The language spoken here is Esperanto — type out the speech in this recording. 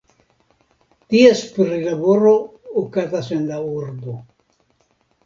Ties prilaboro okazas en la urbo.